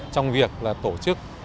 trong việc tổ chức